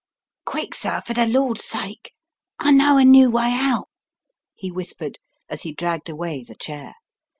"Quick, sir, for the land's sake. I know a new way out," he whispered, as he dragged away the chair.